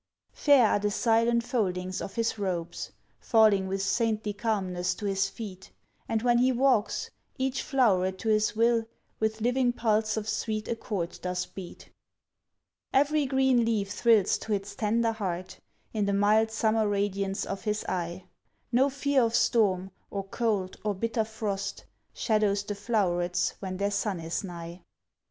Fair are the silent foldings of his robes, Falling with saintly calmness to his feet; And when he walks, each floweret to his will With living pulse of sweet accord doth beat. Every green leaf thrills to its tender heart, In the mild summer radiance of his eye; No fear of storm, or cold, or bitter frost, Shadows the flowerets when their sun is nigh.